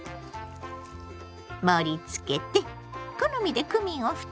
盛りつけて好みでクミンをふってね。